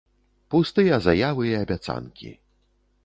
Пустыя заявы і абяцанкі.